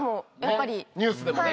ニュースでもね。